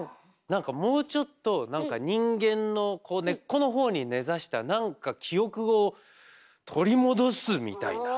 何かもうちょっと何か人間のこう根っこの方に根ざした何か記憶を取り戻すみたいな。